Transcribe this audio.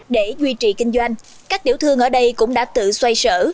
để duy trì kinh doanh các tiểu thương ở đây cũng đã tự xoay sở